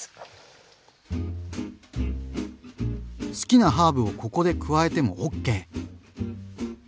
好きなハーブをここで加えてもＯＫ！